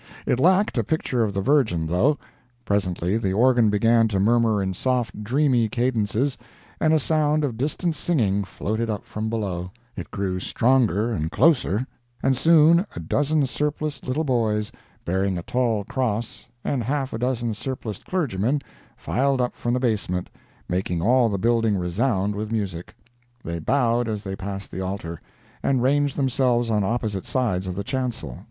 It lacked a picture of the Virgin, though. Presently the organ began to murmur in soft, dreamy cadences, and a sound of distant singing floated up from below—it grew stronger and closer, and soon a dozen surpliced little boys, bearing a tall cross, and half a dozen surpliced clergymen, filed up from the basement, making all the building resound with music. They bowed as they passed the altar, and ranged themselves on opposite sides of the chancel.